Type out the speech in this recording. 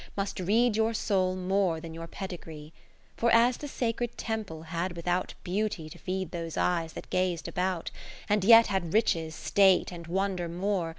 Must read your soul more than your pedigree. For as the sacred Temple had with out Beauty to feed those eyes that gaz'd about. And yet had riches, state, and wonder more.